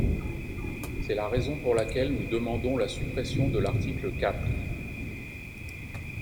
C’est la raison pour laquelle nous demandons la suppression de l’article quatre.